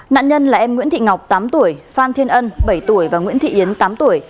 nạn nhân là em nguyễn thị ngọc tám tuổi phan thiên ân bảy tuổi và nguyễn thị yến tám tuổi